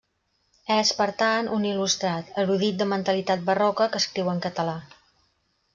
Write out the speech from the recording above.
És, per tant, un il·lustrat, erudit de mentalitat barroca que escriu en català.